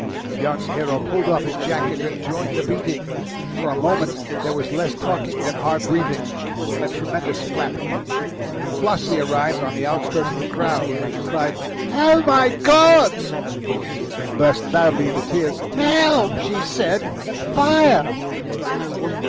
A young hero pulled off his jacket and joined the beating. For a moment there was less talking than hard breathing, and a tremendous flapping. Flossie, arriving on the outskirts of the crowd, cried, "Oh, my God!" and burst loudly into tears. "Help!" she said, and "Fire!"